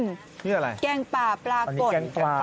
นี่อะไรแกงปลาปลากด